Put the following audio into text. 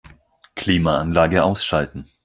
Klimaanlage ausschalten.